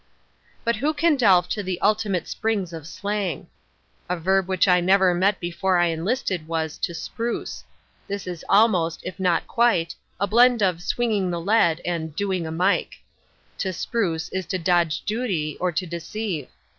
But who can delve to the ultimate springs of slang? A verb which I never met before I enlisted was "to spruce." This is almost, if not quite, a blend of "swinging the lead" and "doing a mike." To spruce is to dodge duty or to deceive.